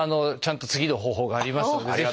ちゃんと次の方法がありますので。